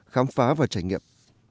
khám phá và trải nghiệm